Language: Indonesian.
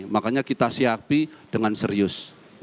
makanya kita siapi dengan serius